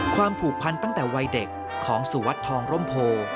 ความผูกพันตั้งแต่วัยเด็กของสุวรรดิ์ทองร่มโพ